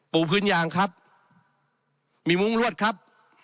พื้นยางครับมีมุ้งรวดครับ